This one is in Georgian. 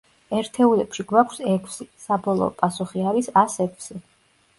ერთეულებში გვაქვს ექვსი, საბოლოო პასუხი არის ას ექვსი.